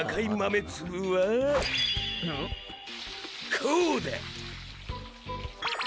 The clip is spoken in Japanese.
こうだ！